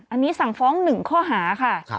อันนี้สั่งฟ้อง๑ข้อหาค่ะ